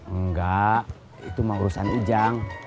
enggak itu mau urusan ujang